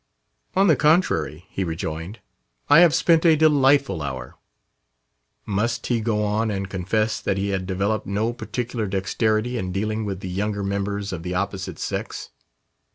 "On the contrary," he rejoined, "I have spent a delightful hour." Must he go on and confess that he had developed no particular dexterity in dealing with the younger members of the opposite sex?